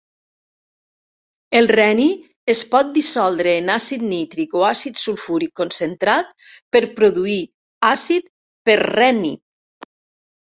El reni es pot dissoldre en àcid nítric o àcid sulfúric concentrat, per produir àcid per-rènic.